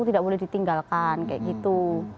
tidak boleh ditinggalkan kayak gitu